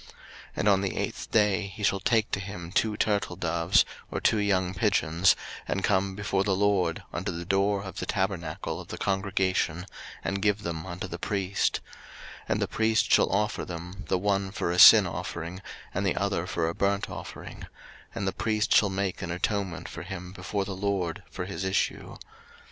03:015:014 And on the eighth day he shall take to him two turtledoves, or two young pigeons, and come before the LORD unto the door of the tabernacle of the congregation, and give them unto the priest: 03:015:015 And the priest shall offer them, the one for a sin offering, and the other for a burnt offering; and the priest shall make an atonement for him before the LORD for his issue.